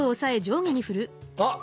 あっ！